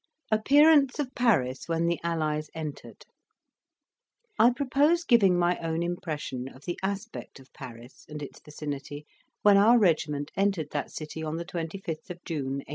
APPEARANCE OF PARIS WHEN THE ALLIES ENTERED I propose giving my own impression of the aspect of Paris and its vicinity when our regiment entered that city on the 25th of June, 1815.